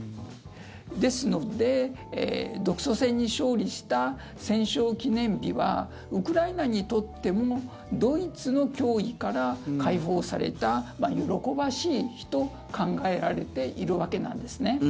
ですので独ソ戦に勝利した戦勝記念日はウクライナにとってもドイツの脅威から解放された喜ばしい日と考えられているわけなんですね。